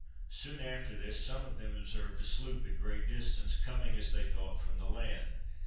Soon after this some of them observed a sloop at a great distance, coming, as they thought, from the land.